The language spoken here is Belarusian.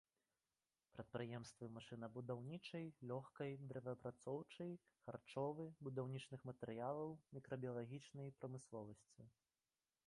Прадпрыемствы машынабудаўнічай, лёгкай, дрэваапрацоўчай, харчовы, будаўнічых матэрыялаў, мікрабіялагічнай прамысловасці.